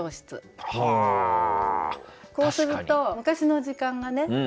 こうすると昔の時間がね